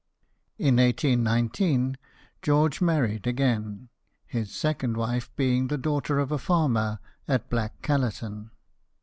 In 1819 George married again, his second wife being the daughter of a farmer at Black Callerton.